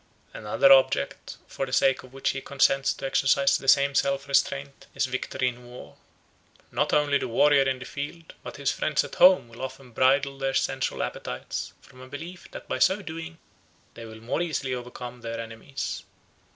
Another object for the sake of which he consents to exercise the same self restraint is victory in war. Not only the warrior in the field but his friends at home will often bridle their sensual appetites from a belief that by so doing they will the more easily overcome their enemies.